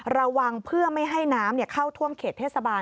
ระวังเพื่อไม่ให้น้ำเข้าท่วมเขตเทศบาล